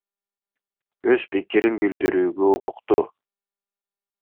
Өз пикирин билдирүүгө укуктуу.